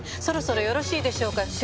そろそろよろしいでしょうか？